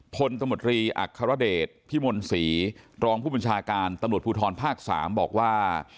พลตมตรีอัครเดชพิมลศรีรองผู้บัญชาการตำรวจภูทรภาค๓บอกว่า